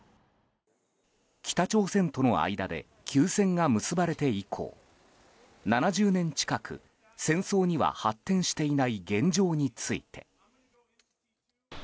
北朝鮮との間で休戦が結ばれて以降７０年近く、戦争には発展していない現状について。